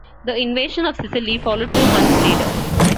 The invasion of Sicily followed two months later.